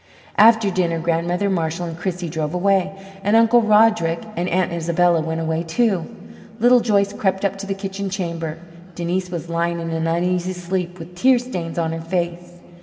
After dinner Grandmother Marshall and Chrissie drove away, and Uncle Roderick and Aunt Isabella went away, too. Little Joyce crept up to the kitchen chamber. Denise was lying in an uneasy sleep, with tear stains on her face.